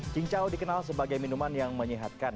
cincau dikenal sebagai minuman yang menyehatkan